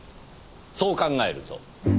そう考えると。